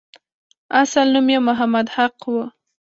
اصل نوم یې محمد حق وو.